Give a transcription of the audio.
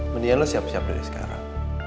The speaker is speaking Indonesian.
mendingan lo siap siap dari sekarang